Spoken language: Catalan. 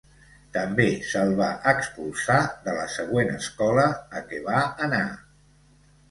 També se'l va expulsar de la següent escola a què va anar.